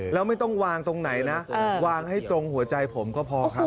แล้วไม่ต้องวางตรงไหนนะวางให้ตรงหัวใจผมก็พอครับ